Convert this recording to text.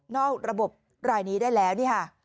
ระบบรายนี้ได้แล้วนี่ค่ะ